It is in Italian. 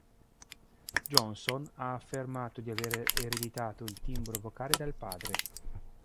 Johnson ha affermato di aver ereditato il timbro vocale dal padre.